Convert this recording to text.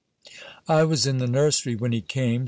I was in the nursery when he came.